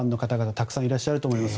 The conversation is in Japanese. たくさんいらっしゃると思います。